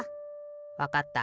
わかった。